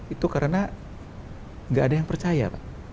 itu karena nggak ada yang percaya pak